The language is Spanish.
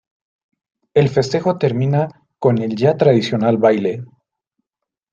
El festejo termina con el ya tradicional baile.